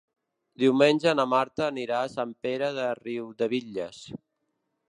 Diumenge na Marta anirà a Sant Pere de Riudebitlles.